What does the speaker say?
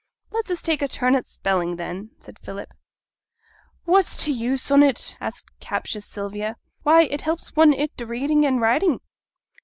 'Let us take a turn at spelling, then,' said Philip. 'What's t' use on't?' asked captious Sylvia. 'Why, it helps one i' reading an' writing.'